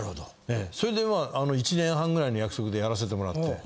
それでまあ１年半ぐらいの約束でやらせてもらって。